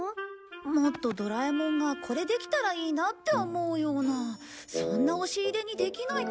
もっとドラえもんがこれできたらいいなって思うようなそんな押し入れにできないかな。